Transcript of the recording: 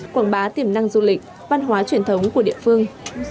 quảng bá tiềm năng du lịch văn hóa truyền thống của địa phương